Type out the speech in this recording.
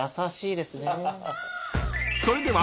［それでは］